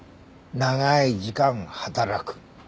長い時間働く。